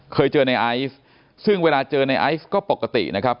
เคยเจอในไอซ์ซึ่งเวลาเจอในไอซ์ก็ปกตินะครับ